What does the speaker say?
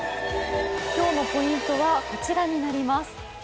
今日のポイントは、こちらになります。